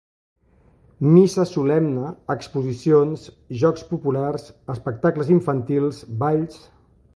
Missa solemne, exposicions, jocs populars, espectacles infantils, balls...